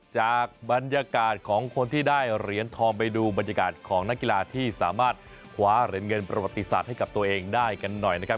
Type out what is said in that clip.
จากบรรยากาศของคนที่ได้เหรียญทองไปดูบรรยากาศของนักกีฬาที่สามารถคว้าเหรียญเงินประวัติศาสตร์ให้กับตัวเองได้กันหน่อยนะครับ